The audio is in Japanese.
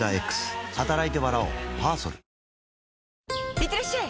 いってらっしゃい！